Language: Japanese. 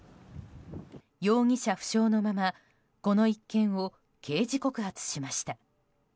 容疑者不詳のままこの一件を刑事告発しました。